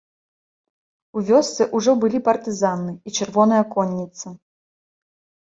У вёсцы ўжо былі партызаны і чырвоная конніца.